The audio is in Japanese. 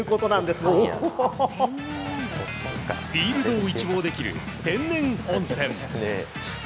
フィールドを一望できる天然温泉。